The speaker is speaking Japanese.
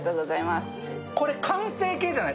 これ、完成形じゃない？